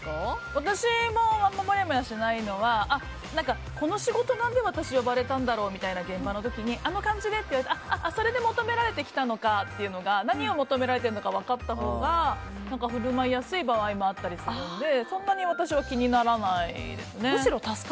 私もあまりもやもやしないのはこの仕事、なんで私、呼ばれたんだろうみたいな現場の時にあの感じでって言われてそれで求められてきたのかっていうのが何を求められているのか分かったほうが振る舞いやすい場合もあったりするのでそんなに私は気にならないです。